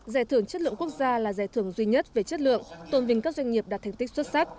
giải thưởng chất lượng quốc gia là giải thưởng duy nhất về chất lượng tôn vinh các doanh nghiệp đạt thành tích xuất sắc